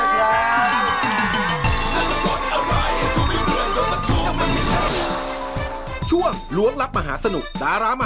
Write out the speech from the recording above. ขอบคุณดารามหาสนุกทั้งสามท่านครับ